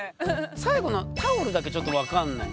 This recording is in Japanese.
最後の「タオル」だけちょっと分かんない。